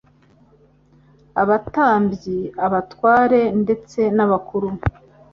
Abatambyi, abatware ndetse n'abakuru,